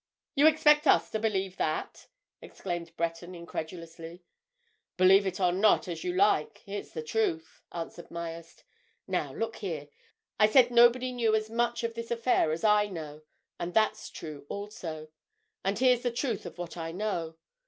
"You expect us to believe that?" exclaimed Breton incredulously. "Believe it or not, as you like—it's the truth," answered Myerst. "Now, look here—I said nobody knew as much of this affair as I know, and that's true also. And here's the truth of what I know.